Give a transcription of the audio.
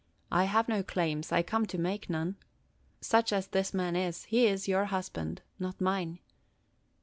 "I have no claims; I come to make none. Such as this man is, he is your husband, not mine.